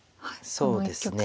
そうですね。